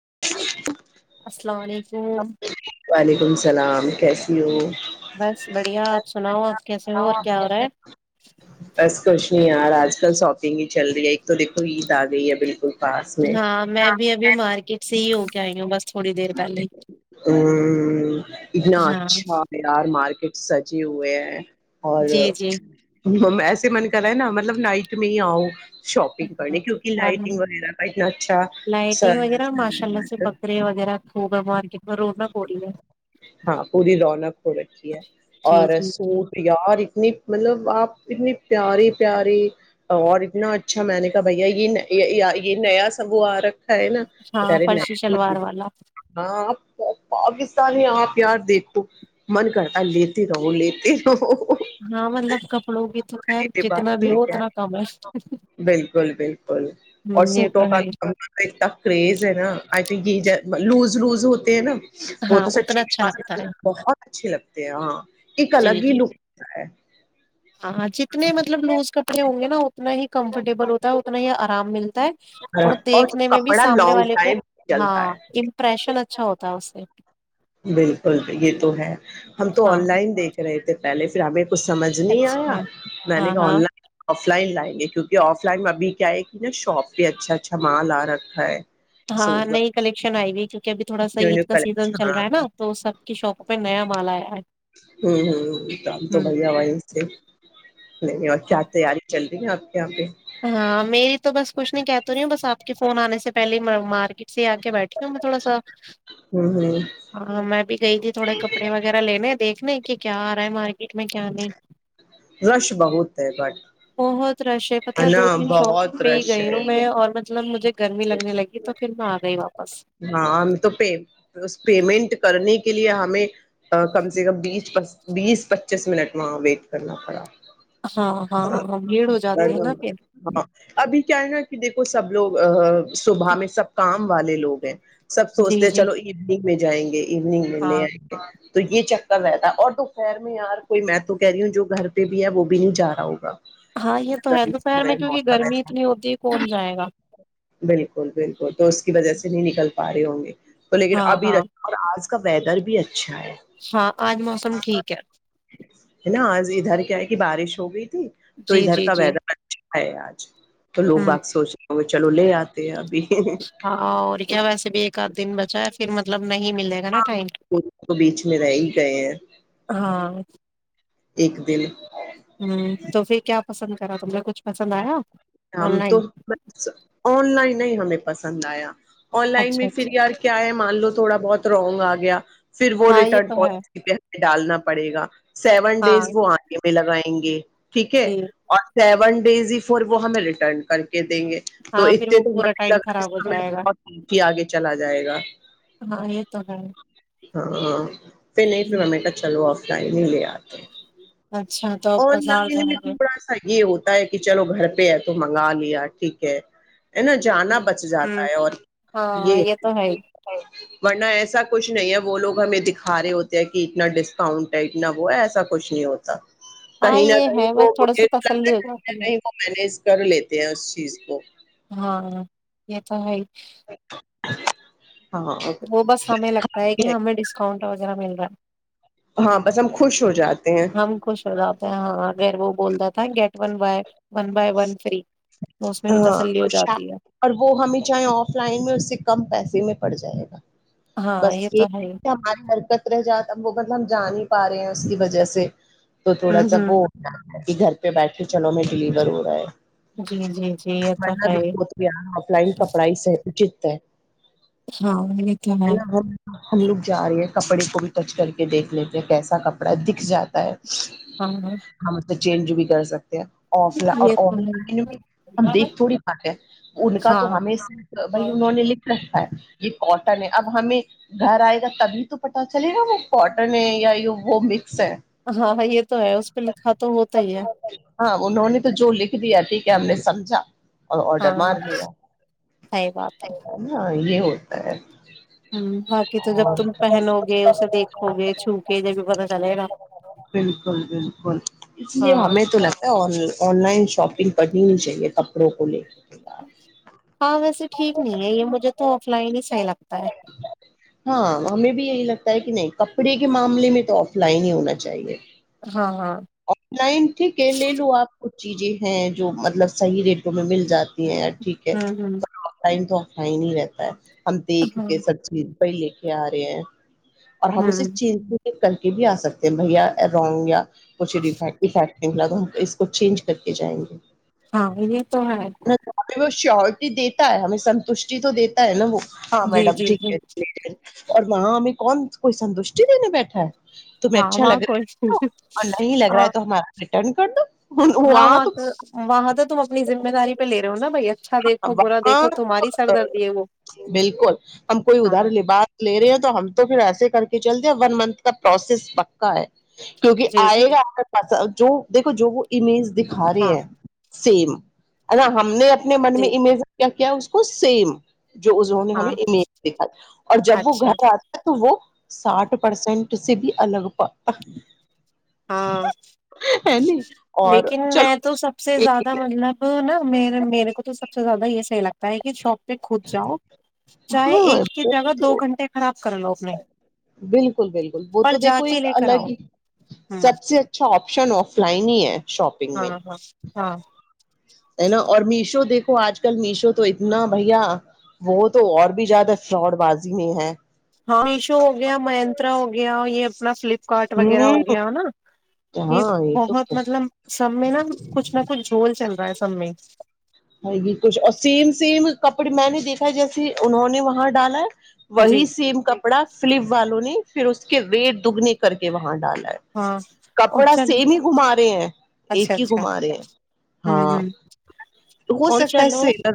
[inaudible] السلام علیکم ہ وعلیکم السلام کیسی ہو بس بڑھیا آپ سناؤ آپ کیسے ہو اور کیا ہو رہا ہے بس کچھ نہیں یار آج کل شاپنگ ہی چل رہی ہے ایک تو دھو عید آ گئی ہے بالکل پاس میں ہاں میں بھی ابھی مار کے سےی ہی ہو کے آئیں گے بس تھوڑی دیر پہلے ہ اتنا ہاں اچھا یار مارکیٹ سچ جی ہو ہے جی جی اور ایسے من کر رہا ہے نا مطلب نائٹ م آؤ شاپنگ کرنے کیونک اور لائٹنگ وغیرہ کا اتنا اچھا لائٹنگ وغیرہ ماشاء اللہ سے س بکرے وغیرہ خوب ہے مارکیٹ میں رونق ہو رہی ہے ہاں پوری رونق ہو رکھی ہے جی اور جی جی سوٹ یا اور اتنی مطلب آپ اتنی پیاری پیاری اور اتنا اچھا میں نے کہا بھیا یہ یہ نیا سنگور ہے نا ہاں فرشی تو شلوار والا ہپ پاکستانی آپ یار دیکھ تو من کرتا لیتے رہو لیتے رہو ہاں مطلب کپڑوں کی تو خیر جتنا بھی ہو اتنا کم ہے ہ بالکل بالکل اور یہ سوٹوں کا ہے ہی۔ تو اتنا کریز ہے نا آئی تھ یہ لوز لوز ج ت نا وہ ہاں تو اتنا سچی اچھا لگتا میں ہے بہت اچھے لگتے ہیں ہاں ایک جی الگ ہی جی لک ہوتا ہے ہاں جتنے مطلب لوز کپڑے ہوں گے نا اتنا ہی کمفرٹیبل ہوتا ہے اتنا ہی آرام ملتا ہے اور ہاں، اور دیکھنے میں بھی کپڑا سامنے لانگ والے کو ٹائم چلتا ہاں ہے امپریشن اچھا ہوتا ہے اس سے بالکل یہ تو ہے ہم تو ہاں آن لائن دیکھ رہے تھے پہلے پھر ہمب کچھ سمجھ نہیں آیا اچھا میں نے ہاں کہ آن ہاں لائن آف لائن لائیں گے کیونکہ آف لائن میں ابھی کیا ہے کہ نا شاپ پہ اچھا اچھا مال آ رکھا ہے ہاں سوٹ نئی وغیرہ کلیکشن آئی گ کہ ابھی تھوڑا سا نیو عید نیو کا سیزن کلیکشن چل ہاں رہا ہے نا تو سب کی شاپ پہ نیا مال آیا ہے ہ ہ تو ہم تو ہوں بھیا وہیں سے نہیں اور کیا ہاں تیاری چلتی جات ہاں میری تو بس کچھ نہیں کہ تو رہی ہوں بس آپ کے فون آنے سے پہلے مارکیٹ سے آ کے بیٹھی ہوں میں تھوڑا سا ہوں ہوں ہاں میں بھی گئی تھی تھوڑے کپڑے وغیرہ لینے دیکھنے کہ کیا آ رہا ہے مارکیٹ میں کیا نہیں رش بہت ہے بڈ بہت رش پت دو تین شاپ پہ ہی گئی ہوں ہے میں اور مطلبجھے گرمی لگنے لگی تو پھر میں آ گئی واپس ہاں تو پیم پیمنٹ کرنے کے لیے ہمیں کم سے کم بیس پ بیس پچیس منٹا ویٹ کرنا پڑا ہاں ہاںاں ہاں بھیڑ ہو جاتی ہے نا پھر ہاں ابھی کیا ہے نا کہ دیکھو سب لوگ صبح میں سب کام والے لوگ ہیں سب جی سوچتے ہیں جی چلو اینگ میں جائیں گے ایوننگ میں لے ہاں تو یہ چکر رہتا ہے اور دوپہر میں یار کوئی میں تو کہہ رہی ہوں جو گھر پہ بھی ہے وہ بھی نہیں جا رہا ہوگا ہاں یہ تو ہے دوپہر موسم میں کیونکہ گرمی ایسا اتنی ہوتی ہے کون جائے گا جینی نکل پارے ہوں گے تو لیکن ہاں ابھی ر ہاں آج اس کا ویدر بھی ہے اچھا ہاں آج موسم ٹھیک ہے ہے نا آج ادھر کیا ہے کہ بارش ہو گئی تو جی ادھر جی کا و جی اچھا ہے آج تو لوگ ہوں بق سوچ رہے ا چلو لے آتے ہیں ابھی ہاں اور کیا بس ایک آد دن بچ ہے پھرطب ہاں تو بیچ میں رہ ہی گئے ہیں ایک دن ہ تو پھر کیا پسند کرا تم مے کچھ پسند آیا آن ہم تو لائن بس آن لائن نہیں ہمیں پسند آیا آن لائن اچھا میں پھر اچھا یار کیا ہے مان لو تھوڑا بہت رونگ آ گیا پھر وہ ہاں یہ ریٹرن تو ہے پالیسی پہ ہمیں ڈالنا پڑے گا سیون ہاں ڈیز وہ آنے میں لگائیں گے [inaudible] ٹھیک ہے اور سیون بیزی فور وہ ہمیں ریٹرن کر کے دیں گے تو ہاں پھر اتنے وہ تو پورا ٹائم خراب ہو جائے لگا گا بت ہی آگے چلا جائے گا ہاں یہ تو ہے ہاں پھر نہیں پھر ہمیں کہ چلو آ ائ ہی لے آتے اچھا تو آپ آن بازار لائن جائیں میں گے تھوڑا سا یہ ہوتا ہے کہ چلو گھر پہ ہے تو منگا لے یار ٹھیک ہے ہے نا جانا بچ جاتا ہوں ہے اور ہاں یہ تو ہے ہی ورنہ ایسا کچھ نہیں ہے وہ لوگ ہمیں دکھا رہے ہوتے ہیں کہ اتنا ڈسکاؤنٹ ہے اتنا وہ ہے ایسا کچھ نہیں ہوتا ہاں کہیں نہ یہ کہیں ہے وہ بس تھوڑا سا کہیں تسلی ہو نہ جاتی ہے کہیں وہ مینج کر لیتے ہیں اس چیز کو ہاں یہ تو ہے [inaudible] وہ بس ہمیں لگتا ہے کہ ہمیں ڈسکاؤنٹ وغیرہ مل رہا ہے ہاں بس ہم خوش ہو جاتے ہیں ہم خوش ہو جاتے ہیں ہاں ایر وہ بولتا تھا گیٹ بن ب ہے تسلی ہو ہاں جاتی ہے اور وہ ہمیں چاہیں آف لائن میں اس سے کم پیسے میں پڑ جائے گا ہاں بس یہ تو ہے ہماری حرکت رہ جاتا وہ مطلب ہم جان پا رہے ہیں اس کی وجہ سے تو تھوڑا ہوں سا ہوں گو کہ گھر پہ بیٹھے چلو میں ڈلیور ہاں جی جی جی یہ تو ملا ہے د تویار آف لائن کپڑا ہی سے اچت ہے ہاں یہ تو ہے م ہم ہم لوگ جا رہے ہیں کپڑے کو بھی ٹچ کر کے دیکھ لیتے ہیں کیسا کپڑا دکھ جاتا ہے ہاں ہم اسے چینج بھی کر سکتے آف لائ یہ تو ہے لائن میں ہم دیکھ تھوڑی بات ان کا تو ہاں ہ بھ انہوں نے لکھ رکھا ہے یہ کاٹن ہے اب ہمیں گھر آئے گا تبھی تو پتا چلے گا وہ کاٹن ہے یا یہ وہ ہے ہاں ہاں یہ تو ہے اس پہ لکھا تو ہوتا ہی ہے ہاں انہوں نے تو لکھ دی کہ ہم نے سمجا اور آڈر ہاں مار لیا صحیح بات ہے یہ ہوتا ہے ہ باقی تو جب تم پہنو گے اسے دیکھو گے چھو کے جبھی پتا چلے گا بالکل بالکل اس لیے ہاں ہمیں تو لگتا ہے اور آن لائن شاپنگ کرنی ہی چاہیے کپڑوں کو لے کے ہاں ویسے ٹھیک نہیں ہے یہ مجھے تو آف لائن ہی صحی لگ ہاں ہمیں بھی یہی لگتا کہ نہیں کپڑے کے معاملے میں تو آف لائن ہی ہونا چاہیے ہاں ہاں آن لائن ٹھیک ہے لے لو آپ کچھ جی جی ہیں جو مطلب صحیح ریٹوں میں مل جاتی ہیں یار ٹھیک ہے ہوں ہوں ٹائم تو ہی نہیں رہتا ہے ہم دیکھ ہاں ہے سب چیز پائی لے کے آ رہے ہیں اور ہم اسے ہوں چنج بھی کر کے بھی آ سکتے ہیں بھیا رانگ یا کچھ ڈیفیکٹ افیکٹ نکلا تو ہم اس کو چینج کر کے جائیں گے ہاں یہ تو ہے ہمیں وہ شیورٹی دیتا ہے ہمیں سنتوشٹی تو دیتا ہے نا وہ ہاں جی میڈم جی ٹھیک جی ہے ٹھیک اور وہاں ہم کون کوئی سنتوشٹی دینے بیٹھا ہے تمہیں ہاں اچھا وہ لگ کوئی رہا ہے اور نہیں لگ رہا ہے ہاں تو ہمار دین کر دو ہاں وہاں تو وہاں تو تم اپنی ذمہ داری پہ لے رہے ہو نا بھیا ہاںاں ہے وہ بالکل ہم کوئی ادھار ہاں لباس لے رہے ہیں تو ہم تو پھر ایے کر کے چل جیا ون منتھ کا پروسیس پکا ہے کیونکہ جی جی آئے گا آپ کا پاسا جو دیکو جو وہ امیج دکھا رہے ہاں ہے سیم ہونا ہم نے اپنے من جی میں امیج کیا کیا اس کو سیم جو انہوں نے ہاں ہمیں امیج دیکھا اور جب وہ اچھا گھر آتا تو وہ ساٹھ پرسینٹ اس سے بھی الگ پ ہاں نہیں اور لیکن میں چلو تو سب سے زیادہ مطلب نا م میرے کو سب سے زیادہ یہ صح لگتا ہے کہ شاپ کود جاؤ چاہے ہاں ایک کی جگہ دو گھنٹے خراب کر لو اپنے بالکل بالکل وہ تو پر جا دیکھو کے ایک لے کر الگ آؤ ہی ہ سب سے اچھا آپشن آف لائن ہی ہے شاپنگ ہاں میں ہاں ہاں ہے نا اور مشو دیکھ آج کل میشو تو اتنا بھیا وہ تو اور بھی زیادہ فراڈ بازی میں ہے ہاں میشو ہو گیا منترا ہو گیا یہ اپنا فلپ کاٹ وغیرہ ہو ہ گیا ہو نا یہ ہاں تو بہت مطلب سب میں نا کچھ نہ کچھ جھول چل رہا ہے سب میں ہ یہ کچھ اور سیم سیم کپڑے میں نے دیکھا ہے جیسے انہوں نے وہاں ڈالا ہے وہی جی سیم کپڑا فلپ والوں نے پھر اس کے ویٹ دگنے کر کے وہاں ڈالے ہاں اور کپڑا چل سی نہیں گھما رہے ہیں اچھا ایک ہی اچھا کمار ہے ہوں ہاں ہ تو ہو اور سکتا ہے اس چلو سےر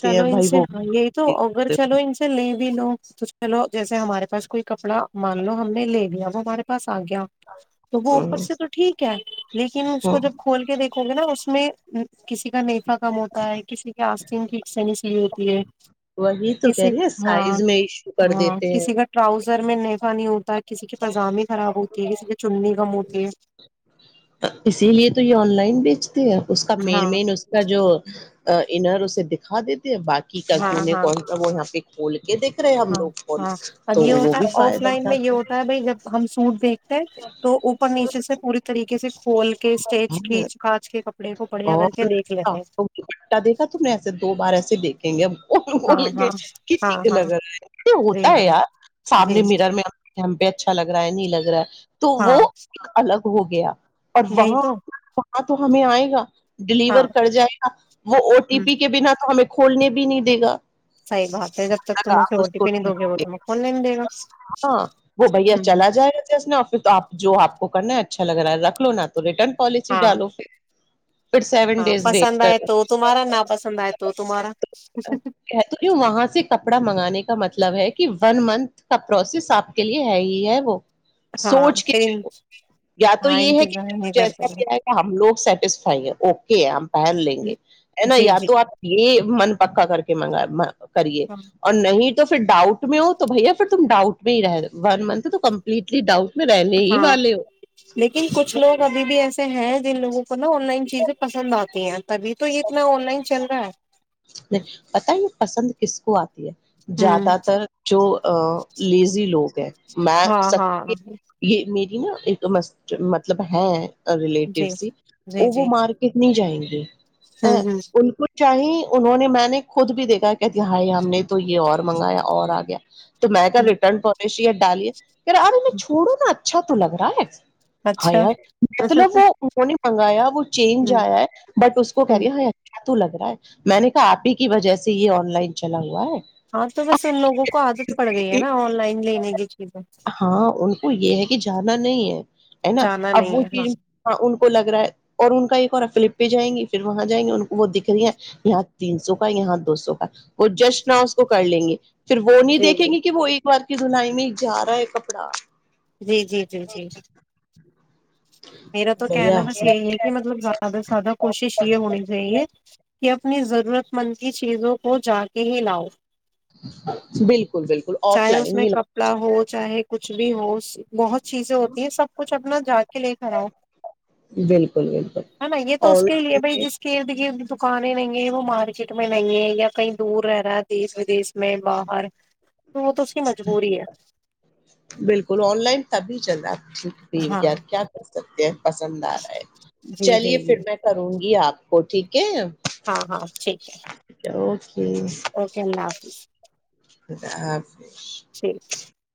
چلو ان سے ہاں یہی تو اگر چلو ان سے ل بھی لو چلو جیسے ہمارے پاس کوئی کپڑا مان لو ہم نے لے لیا وہ ہمارے پاس آ گیا تو وہ اوپر سے تو ٹھیک ہے لیکن اس ہاں کو جب کھول کے دیکھ کھول نا اس میں کسی کا نہیں کم ہوتا ہے کسی کے نگ کی شنی س لی ہوتی ہے وہی تو کہہ کسی رہے ہیں ہاں سائز میں ایشو کر ہاں دیتے ہیں کسی کا ٹراؤزر میں نفا نہیں ہوتا کسی کی پضامی خراب ہوتی ہے کسی کی چننی کم ہوتی ہے اسی لیے تو یہ آن لائن بیچ اس کا ہے ہاں مین مین اس کا جو انر اسے دکھا دیتا باقی کا ہاں کی ہاں کون وہ یہاں پہ کھول کے دیکھ رہے ہیں ہم ہاں لوگ کھول ہاں اب تو یہ وہ ہوتا بھی ہے آف فائدہ لائن میں یہ اٹھاتے ہیں۔ ہوتا ہے بھائی جب ہم سوٹ دیکھتے ہیں تو اوپر نیچے سے پوری طریقے ھیک سر کو بڑھیا کر کے دیکھ لیتے ہیں اورا دیکھا تم نے ایسے دو بار ایسے دیکھیں گے ہاں یںے ہاں کہ ہاں ٹھیک ہاں لگ رہا ہے جی ہوتا ہے جی یار جی سامنے میرر میں ہم پہ اچھا لگ رہا ہے نہیں لگ رہا اگر تو وہ ہاں الگ ہو گیا یہی تو ہاں تو ہمیں آئے گا ہاں ڈیلیور کر جائے گا وہ او ٹی ہوں پی کے بنا تو ہمیں کھولنے بھی نہیں دے گا صحیح بات ہے جب تک تم اسے او ٹی پی نہیں دو گے وہ تمہیں کھولنے نہیں دے گا ہاں وہ بھیا ہوں چلا جائے گا ج اس نے پھر تو آپ جو آپ کرنا اچھا لگ رہا ہے ر نہ تو ریٹرن کالج ہی ہاں ڈالو پھر پھر سیون ہاں ڈیز پسند ویٹ آئے کرو تو تمہارا نا پسند آئے تو تمہارا کہتی ہوں وہاں سے کپڑا منگانے کا مطلب ہے کہ ون منتھ کا پروسیس آپ کے لیے ہے ہی ہے وہ ہاں سوچ کے پھر چ تو ہاں یہ ہے انتظار نہیں کہ ایسا کرتے کیائے گ ہم لوگ سیٹسفائی ہیں اوکے ہے ہم پہن لیں گے ہے نا جی یا جی تو آپ یہ من پکا کر کے منگا کرے اور نہیں تو پھر ڈاؤٹ میں ہو تو بھیا پھر تم ڈاؤٹ میں ہی رہ ون منتھ تو کمپلیٹلی ڈاؤٹ میں رہ نہیں یہ والے ہو کبھی بھی ایسے ہیں ہیں جن لوگوں کو نا آن لائن چیزیں پسند آتی ہیں تبھی تو یہ اتنا آن لائن چل رہا ہے کسک زیادہ تر جو لیزی لوگ ہیں میں ہاں ستی ہاں یہ می ج نا ایک مسٹ مطلب ہے ریلیٹیو جی س جی وہ وہ جی مارکٹ نہیں جائیں گی ہ ان کو شاہ انہوں نے میں نے خود بھی دیکھا کہتی ہائی ہم نے تو یہ اور منگایا اور آ گیا تو میں کہ ریٹرن پالیسی ہے ڈالییا کہے ارے میں چھوڑوں نا اچھا تو لگ رہا ہے ہاں ی اچھا مطلب وہ منگایا بھ چینج آیا ہے بٹ اس کو کو کہہ گیا ہو تو لگ رہا ہے میں نے کہا آپ ہی کی وجہ سے یہ آن لائن چلا ہوا ہے ہاں تو بس ان لوگوں کو عادت پڑ گئی ہے نا آن لائن لینے کی چیزیں ہاں ان کو یہ ہے کہ جانا نہیں ہے ہے نا جانا اب نہیں وہ ہے ہاں چیز ان کو لگ رہا ہے اور ان کا ایک اور رہا ہے فلپ پے جائیں گے پھر وہاں جائیں گے ان کو وہ دکھ رہی ہے یہاں تین سو کا یہاں دو سو کا وہ جسٹ نہ اس کو کر لیں گے پھر وہ نہیں جی دیکھیں جی گے کہ وہ ایک ار کی دھلائی میں جا رہا ہے کپڑا جی جی جی جی میرا تو بڑھیا کہنا بس یہی ہے کہ مطلب زیاد زیادہ کوشش ہونی چاہیے اپنی ضرورت مند کی چیزوں کو جا کے ہی لاؤ بالکل بالکل آف چاہے اس لائن میں ہی ل کپڑا ہو چاہے کچھ بھی ہو بہت چیزیں ہوتی ہیں سب کچھ اپنا ج لے کھڑا ہے بالکل ن یہ بالکل تو اس آن کے لائن لیے بائی میں جس ک دکانیں نہیں ہے وہ مارکیٹ میں نہیں ہے یا کہیں دور رہ رہا ہے دیش ودیش میں باہر تو وہ تو اس کی مجبوری ہے بالکل آن لائن تبھی چلندا ہاں یار کیا کر سکتے ہیں پسند آ رہا ہے جی چلیے جی پھر جی میں کروں گی آپ کو ٹھیک ہےو ہاں ہاں ٹھیک ہے اوکے اللہ حافظ خ حفظ ٹھیک